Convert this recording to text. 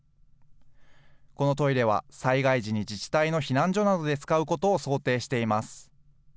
このトイレは、災害時に自治体の避難所などで使うことを想定しています。